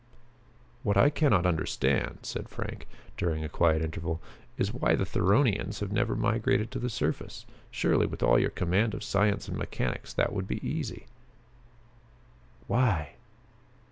"What I can not understand," said Frank, during a quiet interval, "is why the Theronians have never migrated to the surface. Surely, with all your command of science and mechanics, that would be easy." "Why?